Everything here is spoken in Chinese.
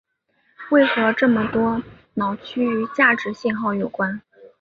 为何这么多脑区与价值信号有关。